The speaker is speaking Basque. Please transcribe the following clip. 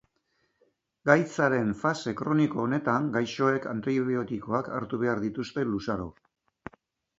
Gaitzaren fase kroniko honetan gaixoek antibiotikoak hartu behar dituzte luzaro.